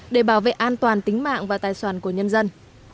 để bảo vệ an toàn tính mạng và tài sản của nhân dân